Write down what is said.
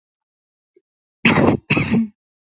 د منطقوي اقتصاد او خواف لویې لارې په اړه لکچر ورکړم.